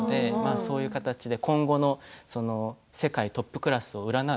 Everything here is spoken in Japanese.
そういう形で今後の世界トップクラスを占う